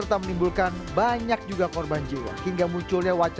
apa bahasa yang pas kira kira